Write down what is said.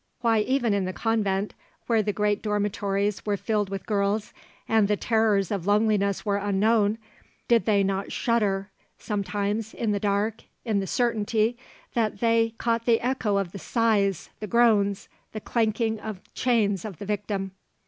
Why, even in the convent, where the great dormitories were filled with girls and the terrors of loneliness were unknown, did they not shudder sometimes in the dark in the certainty that they caught the echo of the sighs, the groans, the clanking of chains of the victim?